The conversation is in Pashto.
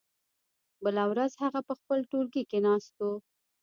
بله ورځ هغه په خپل ټولګي کې ناست و.